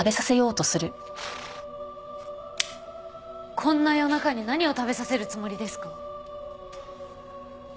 こんな夜中に何を食べさせるつもりですか？